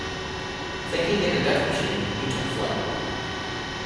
Thinking it a death machine, he took flight.